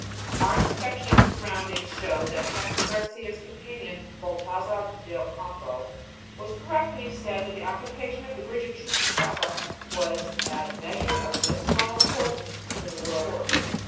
Our inspection of the surroundings showed that Captain Garcia's companion, Baltasar de Ocampo, was correct when he said that the occupation of the bridge of Chuquichaca "was a measure of no small importance for the royal force."